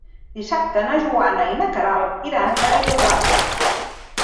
Dissabte na Joana i na Queralt iran a Bellaguarda.